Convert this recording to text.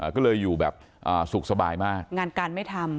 ก็เลยอยู่แบบสุขสบายมากงานการไม่ทำ